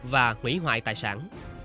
và hủy hoại tài sản